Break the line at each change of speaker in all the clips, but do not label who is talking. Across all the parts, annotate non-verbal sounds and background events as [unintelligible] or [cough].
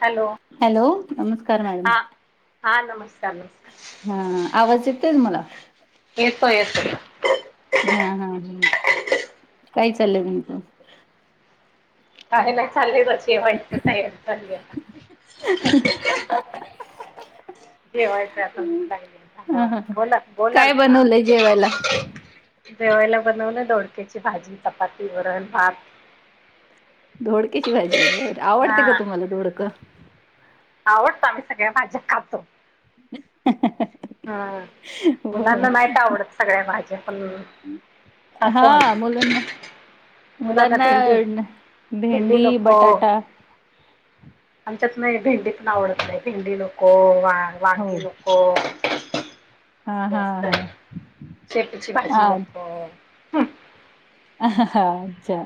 Hello
hello नमस्कार madam
हा हा नमस्कार नमस्कार
हा आवाज येत मला
हो येतोय-
हा हा ह काय चाललंय म्हणत
काय नाही चाललेचशी वाईच तयारी चाल- जेवायचं आता
हा हा
बोला बोलाल
काय
ह
बनवलंय जेवायला
जेवायला बनवण दो डक्याची भाजी चपाती वरण भात
दोडक्याची भाजी बर
हा
आवडते का तुम्हाला दोडकं
आवडतं आम्ही सगळ्यां भाज खतो हा मुलांना नाहीत आवडत सगळ्या भाज्या पण
बर
खातो
हा
आम्ही
मुलांना मुलांना भेंडी बटाटा
आमच्यात नाही भेंडी पण आवडत नाही भेंडी नको
हो
वांगी नको
हा हा
असत
हा
शेपूची भाजी
हा
नको हम
अच्छा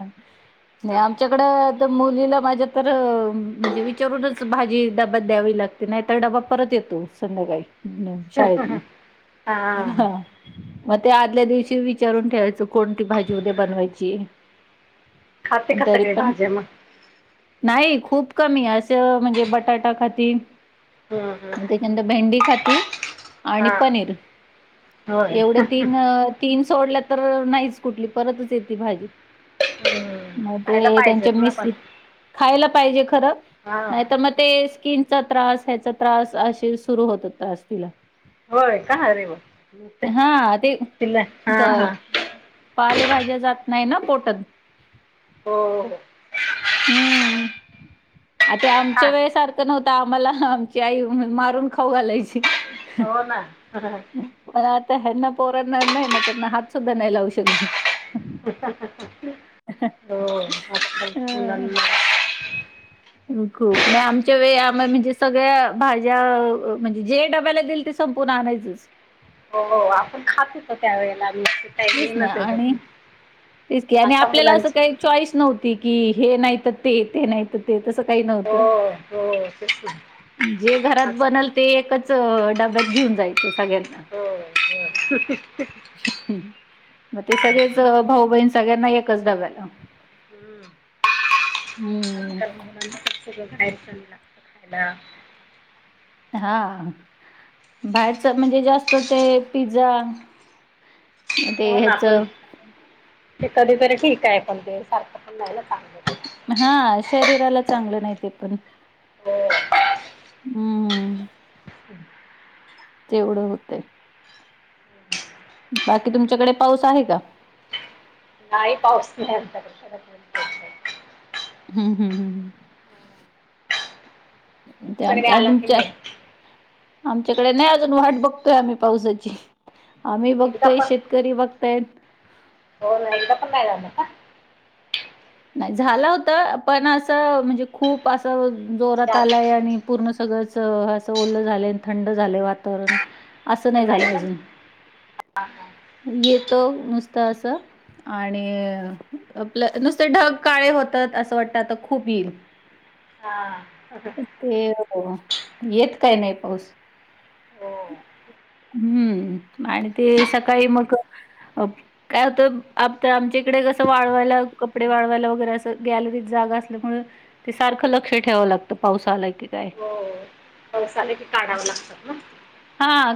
नाही
हं.
आमच्याकडं- मुलीला माझ्या तर म्हणजे विचारूनच भाजी डब्यात द्यावी लागते नाही तर डबा परत येत तो संध्याकाळी न शाळेत न हा मग ते आदल्या दिवशी विचारून ठेवायचं कोणती भाजी उदया बनवायची
खाते
पण
का
तरी
सगळे
पण
भाज्या मग
नाही खूप कमी आहे असं म्हणजे बटाटा खाती
हं, हं.
त्याच्यानंतर भेंडी खाती
हा.
आणि पनीर
होय
एवढे तीन तीन सोडल्या तर नाहीच कुठली परतच येते भाजी मग
खायला
ते त्यांच्या
पाहिजेत ना
मिस
पण
खायला पाहिजे खरं
हा
नाहीतर मग ते स्कीन त्रास ह्याचा त्रास अे सुरू होत त्रास तिला
होय का अरे वा
हा ते
तिला हा हा
पालेभाज्या जात नाही ना पोटात
हो
आता
हा
आमच्या वेळेसारखं नव्हतं आम्हाला आमची आई मारून खाऊ घालायची
हो ना
पण आता हना पोरांना नाही ना त्यांना हात सुद्धा नाही लावू शकट
हो आजकाल
अं,
मुलांना
खूप नाही आमच्या वेळी आम म्हणजे सगळ्या भाज्या म्हणजे जे डब्याला देईल ते संपूर्ण नाहीयच-
हो आपण खातच त्या वेळेला मी
तेच ना
येनच
आणि
आपण-
तेच क आणि आपल्याला असं काही चॉईस नव्हती की हे नाहीत ते ते नाहीत ते तसं का न्हवत
हो हो तेच ना
जे घरात
आज
बल ते एकच डब्यात घेऊन जायचं सगळ्यांना
हो हो
मग ते सगळेच भाऊ बहीण सगळ्यांना एकच डब्याला
हम्म
हम्म.
आजकालाघय- ला खायला
हा बाहेरच म्हणजे जास्त ते पिझ्झा म ते
हो ना
ह्याच
पण ते कधीतरी ठीक आहे पण ते सारखं पण नाही चांगलं
हा शरीराला चांगलं नाही ते पण
हो.
हम्म हम्म
हम्
तेवढं होतंय बाकी तुमच्याकडे पाऊस आहे का
नाहीय पाऊस नुसतं घडघडतंय
हम्म हम् हम् ह् आम
तुमच्याकडे
च्या
आला की
तुमच्या
नाही?
आमच्याकडे नाही अजून वाट बघ बघ तोय आम्ही पावसाची आम्ही
एकदा
बघतोय
पण
शेतकरी बघतायत
हो ना इकडेपण नाय झाला का
नाही झालं होत पण असं म्हणजे खूप असं जोरात आलाय आणि
जास्त
पूर्ण सगळंच असं ओलं झालंय थंड झालंय वातावरण असं नाही झालं अजून येत नुसत त असं आणि आपलं नुसतं ढग काळे होतत असं वाटत खूप येईल
हा
ते येत काय नाही पाऊस
हो
हम्म आणि ते सकाळी मग अ काय होतं आ आमच्या इकडे कसं वाळवायला कपडे वाळवायला वगैरे असं गॅलरीत जा ढग असल्यामुळे ते सारख लक्ष ठेवाव लागतं पाऊस आला कि
हो पावसाला की काढावं लागतात ना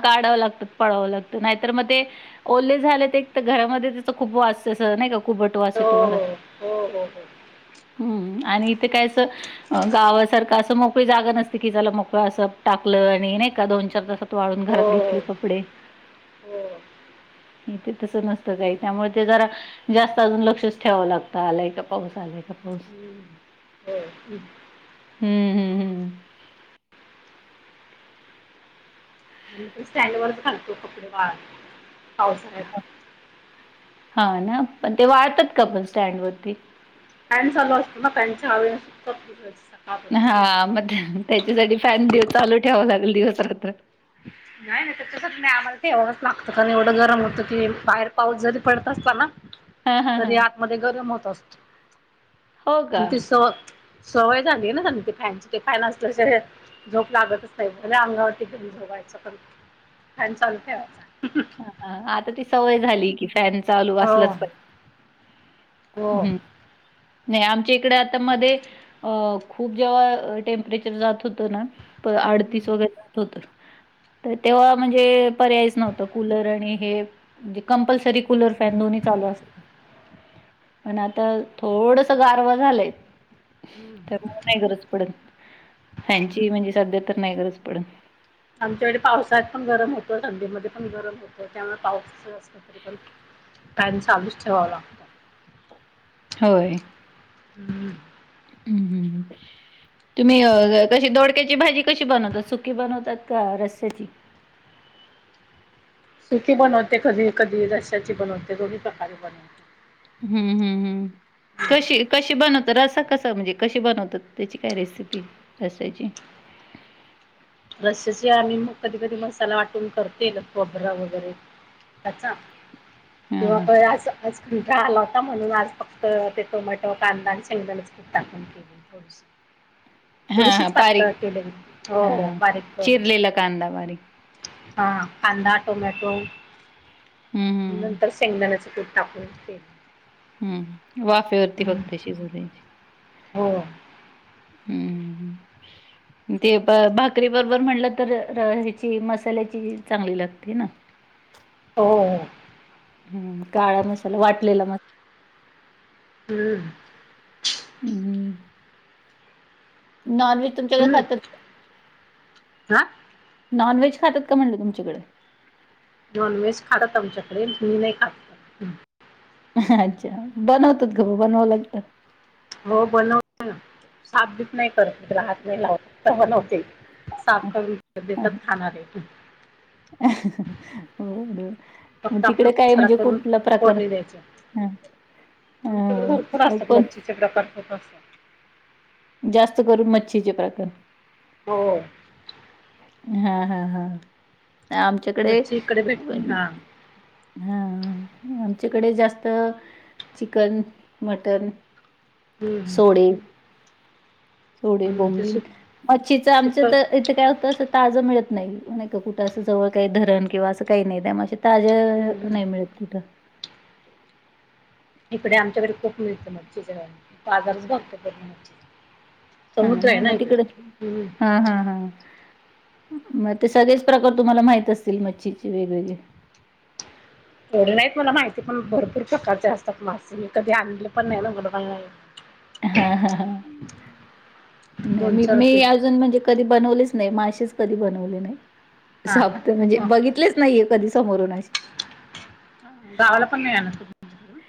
काढाव लागत पळावं लागत नाहीतर मग ते ओले झालेतें एकतर घरामध्ये त्या खूप वास नाही का कुबट वास
हो
येतो घरात
हो हो हो
हम्म आणि इथे काय असं गाव तर काय असं मोकळी जाग नसती की चला मोकळं असं टाकलं आणि नाही एका दोन चार तासात वाळून घरात
हो हो
घेतले कपडे
हो
ह्ह्ह इथे तस नसतं काही त्यामुळे ते जरा जास्त अजून लक्षच ठेवावं लागतं आलाय का पाऊस आला सपोज
हम्म. हो
हम्म हम्म हम्म
स्टँड वरच घालतो कपडे वाळत पावसाळ्यात
हा ना पण ते वाढतात का पण स्टँड वरती
फॅन चालू असतो ना त्यांच्या हवणे सुक [unintelligible]
हा म त्याच्यासाठी फॅन दि चालू ठेवा लागेल दिवसरात्र
नाही नाहीस त्याच्या साठी नाही आम्हाला ठेवावंच लागतं कारण एवढं गरम होतं की बाहेर पाऊस जरी पडत असता ना
हा हा हा
तरी आतमध्ये गरम होत असतो
हो का?
आमची सवत सवय झाली ना त्यां ते फॅनची ते फॅन असल्याशिवाय झोप लागतच नाही अंगावरती घेऊनच झोपायचं फॅन चालू ठेवायचा
हा आता ती सवय झाली कि फॅन चालू
हो
असलाच पहिजे
हो
नाही आमच्या इकडे आता मध्ये अ खूप जेव्हा टेम्परेचर जात होतं ना अडतीस वगैरे जात होतं तर तेव्हा म्हणजे पर्यायच नव्हत कूलर आणि हे म्हणजे कंपल्सरी कूलर फॅन दोन्ही चालू [inaudible] पण आता थोडसा गारवा झालंय. तर मला नाही गरज पडत फॅनची म्हणजे सध्या तर नाही गरज पडन.
आमच्या कडे पावसात पण गरम होतं थंडीमध्ये पण गरम होतं त्यामुळे पाऊसच असतं तरी पण फॅन चालूच ठेवावं लागत.
होय.
हम्म.
हम्म हम्म. तुम्ही अ कशी दोडक्याची भाजी कशी बनवता सुकी बनवतात का रस्याची
सुकी बनवते कधी-कधी रस्याची बनवते दोन्ही प्रकारे बनवते.
हम्म हम्म हम्म. कशी कशी बनवत रस्सा कसा म्हणजे कशी बनवतात त्याची काय रेसिपी रस्याची?
रस्सा चे आम्ही म कधी-कधी मसाला वाटून तर तेलं, खोबरा वगैरे कच्चा
हां
किंवा
हां.
पय असा असा [unintelligible] आला होता म्हणून आज फक्त ते टोमॅटो, कांदा आणि शेंगदाणेचा पीठ टाकून केलेली. थोडीशी
हां हां
थोडीशीच
बारीक
पातळ केलेली हो बरं.
हां चिरलेला कांदा बारीक
हा कांदा, टोमॅटो
हम्म हम्म
नंतर शेंगदाणयाचा पीठ टाकून केली.
हम्म वाफेवरती
हम्म
फक्त शिजवळलेली.
हो.
हम्म. ते ब भाकरी बरोबर म्हटलं तर र ह्याची मसाल्याची चांगली लागते ना. ह [inaudible]
हो.
हम्म, काळा मसाला वाटलेला म
हम्म.
हम्म. नॉन व्हेज तुमच्याकडे खातात
हां
नॉन व्हेज खातात का म्हणलं तुमच्याकडे?
नॉन व्हेज खातात आमच्याकडे मी नाही खात हम्म.
अच्छा बनवतात ग बनवा लागतं.
हो बनवते ना साफ बिफ नाय मी तिला करत हात नाही लावत ते बनवते. साफ करून देतात खाणारे.
हो ना. मग
फक्त
तिकडे
आपल्या
काय
सडा
म्हणजे
करून
कुठला प्रकार?
फोडणी द्यायचे. आमच्या कडे
हा
भरपूर
अ
असतात
कोण
मच्छीचे प्रकार खूप असतात.
जास्त करून मच्छीचे प्रकार
होय.
हा हा हा. आमच्याकडे
मच्छी इकडे भेटते
वनी
हा
हा आम च्याकडे जास्त चिकन, मटण
हम्म हम्म.
सोडे सोडे,
हम्म ते
बोंबिल
सुक
मच्छीचा
सुक
आमचं तर इथे काय होतं असं ताजं मिळत. नाही नाही का कुठं असं जवळ काही धरण किंवा असं काही नाही त्यामुळे अशी
हम्म
ताज्या
हम्म.
नाही मिळत कुठं.
इकडे आमच्याकडे खूप मिळतं मच्छीचा बाजारच बर तो पूर्ण
हा
समुद्र आहे
ना म इकडे
हम्म.
हा हा हा मग ते सगळेच प्रकार तुम्हाला माहित असतील मच्छीचे वेगवेगळे
तेवढे नाहीत मला माहिती पण भरपूर प्रकारचे असतात मासे मी कधी आणले पण नाही ना मला
हा हा नाही
दोन
मी
चार
मी
ते
अजून म्हणजे कधी बनवलेच नाही मासेच कधी बनवले
हां का हं
नाहीत, बघितलेच नाहीत कधी समोरून अशी
गावाला पण नाही आला तुम्ही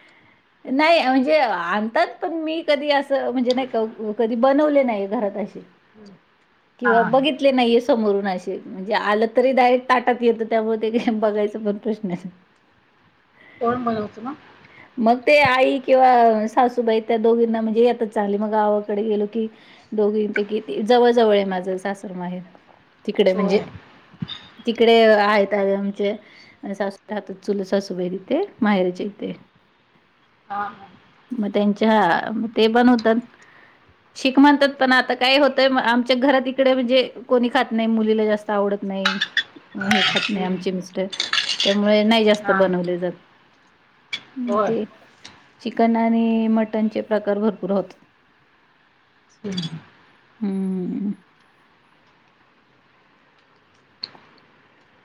नाही म्हणजे आणतात पण मी कधी असं म्हणजे नाही क. कधी बनवले नाही घरात अशी
हम्म
किंवा बघितले नाहीये समोरून अशे म्हणजे आलं तरी डायरेक्ट ताटात येतं त्यामुळे ते काही बघायच पण प्रश्न आहे
कोण बनवतं मग
मग ते आई किंवा सासूबाई त्या दोघींना म्हणजे येतच चांगली मग गावाकडे गेलो की दोघींपैकी जवळजवळ माझं ही सासर माहेर तिकडे
होय
म्हणजे तिकडे आहेत त्या आमचे सासू राहतात चुलत सासूबाई तिथे माहेरचे इथे
हा हा
त्यांच्या ते पण म्हणातात शिक म्हणतात पण आता काय होतय म. आमच च्या घरात इकडे म्हणजे कोणी खात नाही मुलीला जास्त आवडत नाही हे खात नाही
हं.
आमचे मिस्टर त्यामुळे नाही जास्त
हां
बनवले जात ह
होय
ते चिक चिकन आणि मटणचे प्रकार भरपूर होतात
हो
हम्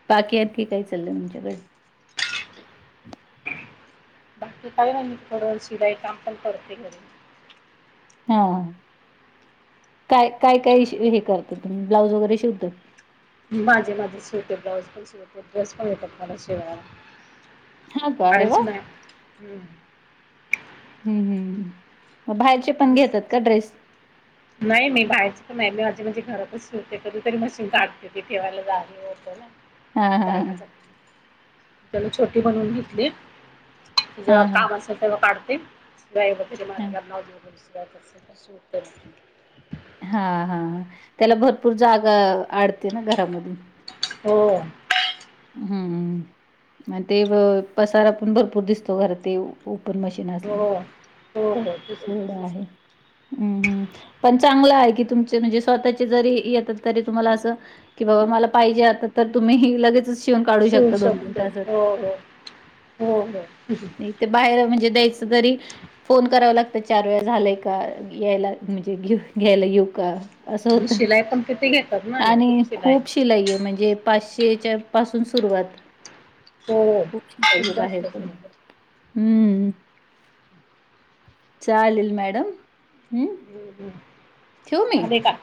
बाकी आहेतत की काय चाललं तुमच्याकडे
बाकी काय नाही थोडं शिलाई काम पण करते घरी
हा हा काय काय काय हे करत शि.. हे करता तुम्ही ब्लाऊज वगैरे शिकतात का
मी माझे माझे शिवते ब्लाउज पण शिवते ड्रेस पण येतात मला शिवायला
हा का अरे वा!
बाहेरच नाही हम्
ह ह हम् मग बाहेरचे पण
म्हणजे
घेतात का ड्रेस
नाय माझी माझी घरातच शिवते कधीतरी मशीन काढते ती ठेवायला जागा होतं नाही ना
हा हा ह
जागेसाठी त्याला छोटी बनवून घेतली जेव्हा
हा हा.
काम असेल तेव्हा काढते व्हय घरणं सारखं सारखं शिवतात
हा हा त्याला भरपूर जागा आडते ना घरामध्ये
हो
हम्म मग ते अ.. पसारा पण भरपूर दिसतो घर ते
हो हो हो तस
एवडं
तसच
आहे हम्म पण चांगलं आहे कि तु तुमचे म्हणजे स्वतःचे जरी येतात तरी तुम्हाला असं. की बाबा मला पाहिजे आता तरी तुम्ही ही लगेच शिवून काढू
शिवू
शकता दोन
शकतो
मिनटातच
हो हो हो हो आणि
अ.. ती बाहेरून ते द्यायचं तरी फोन करावा लागतो तर चार वेळा झालाय का यायला म्हणजे घे घ्यायला येऊ का असं होतं
शिलाई पण किती घेतात ना
आणि खूप शिलाई हे म्हणजे पाचशे हेच्या पासून सुरुवात
हो
खूप शीलाई आहे
जास्त
बाहेरपण हम्म चालेल मॅडम हं. ठेवू मी?
आले का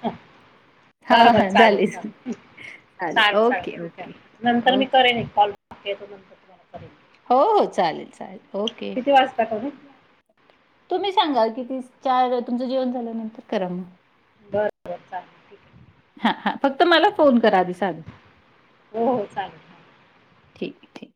बर
हां,
बर
हां.
चालेल
झालीच.
चालेल चालेल चालेल
ओके,
ठीक
ओके.
आहे नंतर मी
ओके.
करेन कॉल येतो नंतर करेन
हो हो चालेल चालेल ओके
किती वाजता करू
तुम्ही सांगाल कीती वाजता चालेल तुमचं जेवण झाल्यानंतर करा मग
हो हो चालेल ठीक आहे
हा हा फक्त मला फोन करा आधी साधा
हो हो चालेल
ठीक ठीक